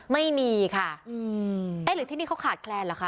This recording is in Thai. ไม่มีค่ะเอ๊ะหรือที่นี่เขาขาดแคลนเหรอคะ